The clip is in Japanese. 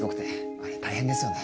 あれ大変ですよね。